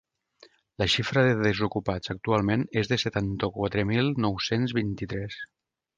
La xifra de desocupats actualment és de setanta-quatre mil nou-cents vint-i-tres.